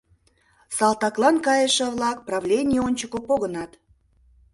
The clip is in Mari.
Салтаклан кайыше-влак правлений ончыко погынат.